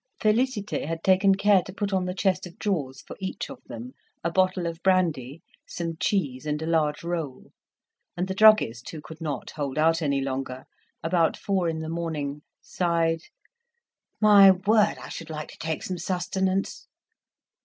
Félicité had taken care to put on the chest of drawers, for each of them, a bottle of brandy, some cheese, and a large roll. And the druggist, who could not hold out any longer, about four in the morning sighed "My word! I should like to take some sustenance."